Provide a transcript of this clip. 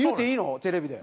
テレビで。